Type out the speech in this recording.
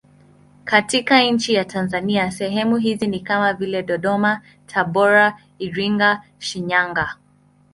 Katika nchi ya Tanzania sehemu hizo ni kama vile Dodoma, Tabora, Iringa, Shinyanga.